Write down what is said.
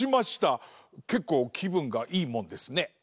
けっこうきぶんがいいもんですね。